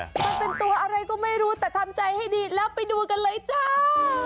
มันเป็นตัวอะไรก็ไม่รู้แต่ทำใจให้ดีแล้วไปดูกันเลยจ้า